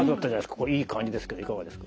これいい感じですけどいかがですか？